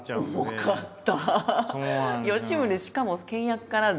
重かった！